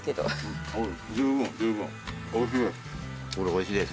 おいしいです。